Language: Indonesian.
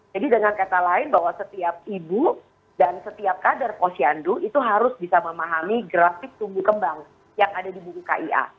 jadi dengan kata lain bahwa setiap ibu dan setiap kader posyandu itu harus bisa memahami grafik tunggu kembang yang ada di buku kia